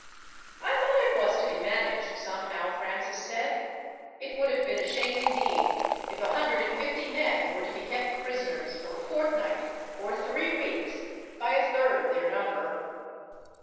"I thought it was to be managed somehow," Francis said. "It would have been a shame, indeed, if a hundred and fifty men were to be kept prisoners for a fortnight, or three weeks, by a third of their number."